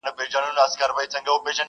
دا کمال ستا د جمال دی,